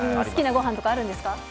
好きなごはんとかあるんですか？